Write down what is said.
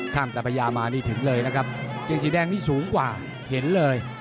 ตาพญามานี่ถึงเลยนะครับเกงสีแดงนี่สูงกว่าเห็นเลย